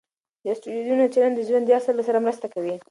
د اسټروېډونو څېړنه د ژوند د اصل سره مرسته کوي.